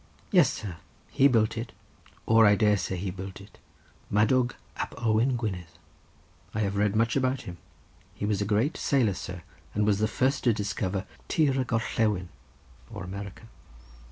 Yes, sir; he built it, or I dare say he built it, Madawg ap Owain Gwynedd. I have read much about him—he was a great sailor, sir, and was the first to discover Tir y Gorllewin, or America.